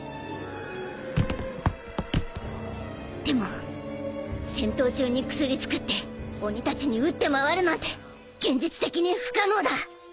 でも戦闘中に薬作って鬼たちに打って回るなんて現実的に不可能だ。